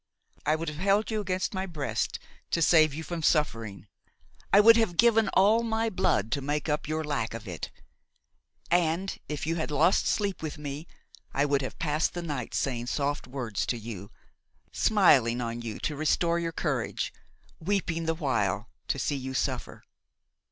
I would have held you against my breast to save you from suffering. I would have given all my blood to make up your lack of it, and if you had lost sleep with me, I would have passed the night saying soft words to you, smiling on you to restore your courage, weeping the while to see you suffer.